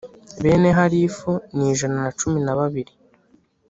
Bene Harifu ni ijana na cumi na babiri